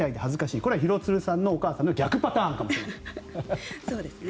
これは廣津留さんのお母さんの逆パターンかもしれない。